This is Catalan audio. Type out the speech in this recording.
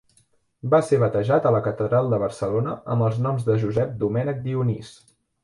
Va ser batejat a la Catedral de Barcelona amb els noms de Josep Domènec Dionís.